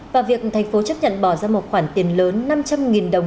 và việc thành phố chấp nhận bỏ ra một khoản tiền lớn năm trăm linh đồng